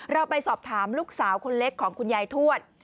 เราไปสอบถามลูกสาวคนเล็กของคุณยายทวด